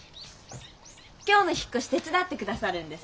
今日の引っ越し手伝ってくださるんです。